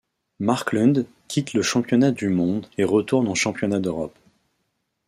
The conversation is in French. Marklund quitte le championnat du monde et retourne en championnat d'Europe.